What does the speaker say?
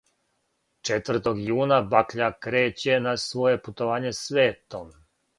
Четвртог јуна бакља креће на своје путовање светом.